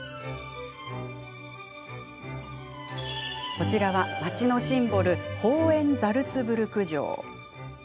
こちらは、街のシンボルホーエンザルツブルク城。